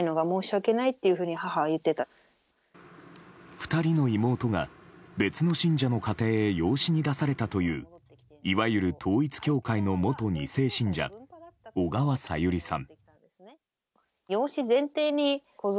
２人の妹が別の信者の家庭へ養子に出されたといういわゆる統一教会の元２世信者小川さゆりさん。